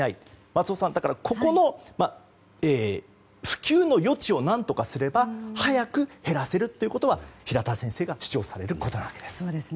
松尾さん、ここの普及の余地を何とかすれば早く減らせるということは平田先生が主張されることなんです。